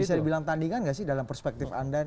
bisa dibilang tandingan nggak sih dalam perspektif anda